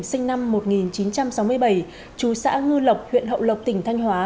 sinh năm một nghìn chín trăm sáu mươi bảy chú xã ngư lộc huyện hậu lộc tỉnh thanh hóa